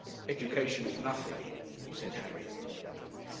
'Education is nothing,' said Harry.